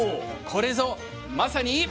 これぞまさに。